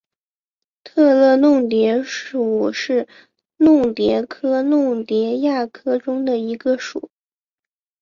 特乐弄蝶属是弄蝶科弄蝶亚科中的一个属。